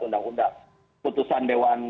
undang undang putusan dewan